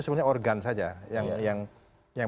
sebenarnya organ saja yang